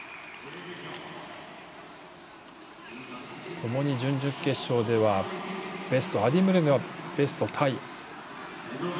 ともに準々決勝ではアディムリョノがベストタイ。